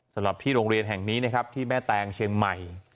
สำหรับที่โรงเรียนแห่งนี้นะครับที่แม่แตงเชียงใหม่